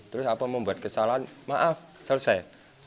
terus apa membuat kesalahan maaf selesai